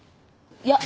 いや。